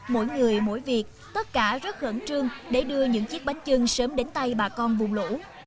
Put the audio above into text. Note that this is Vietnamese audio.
mỗi người mỗi việc tất cả rất khẩn trương để đưa những chiếc bánh trưng sớm đến tay bà con vùng lũ